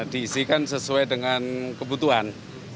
diisikan sesuai dengan kebutuhan